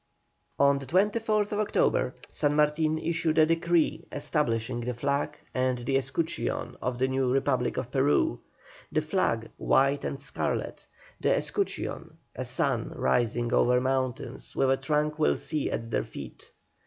On the 24th October, San Martin issued a decree establishing the flag and escutcheon of the new Republic of Peru, the flag white and scarlet, the escutcheon a sun rising over mountains with a tranquil sea at their feet.